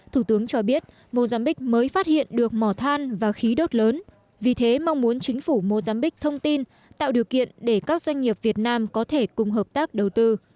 thủ tướng cho biết mozambique mới phát hiện được mỏ than và khí đốt lớn vì thế mong muốn chính phủ mozambique thông tin tạo điều kiện để các doanh nghiệp việt nam có thể cùng hợp tác đầu tư